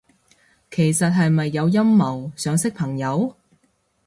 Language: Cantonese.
其實係咪有陰謀，想識朋友？